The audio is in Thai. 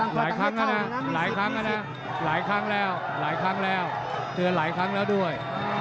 หลายครั้งแล้วนะหลายครั้งแล้วหลายครั้งแล้วหลายครั้งแล้วด้วย